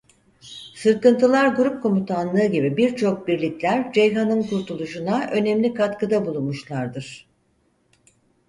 Sırkıntılar grup komutanlığı gibi birçok birlikler Ceyhan'ın kurtuluşuna önemli katkıda bulunmuşlardır.